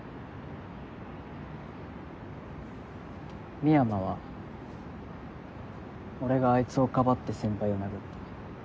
美山は俺があいつをかばって先輩を殴った。